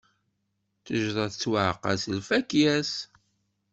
Ttejṛa tettwaɛqal s lfakya-s.